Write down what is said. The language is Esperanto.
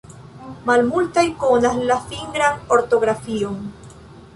Malmultaj konas la fingran ortografion.